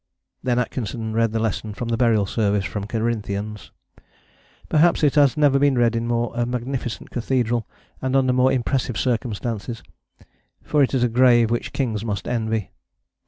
Then Atkinson read the lesson from the Burial Service from Corinthians. Perhaps it has never been read in a more magnificent cathedral and under more impressive circumstances for it is a grave which kings must envy.